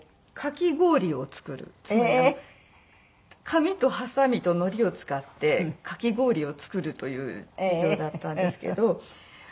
紙とハサミとのりを使ってかき氷を作るという授業だったんですけど。